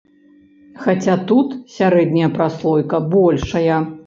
Хаця тут сярэдняя праслойка большая.